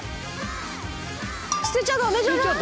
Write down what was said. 捨てちゃダメじゃない？